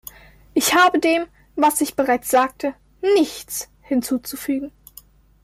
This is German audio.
Ich habe dem, was ich bereits sagte, nichts hinzuzufügen.